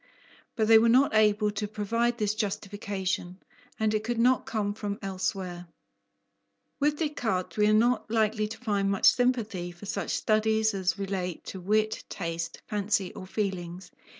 But they were not able to provide this justification, and it could not come from elsewhere. With Descartes, we are not likely to find much sympathy for such studies as relate to wit, taste, fancy, or feelings.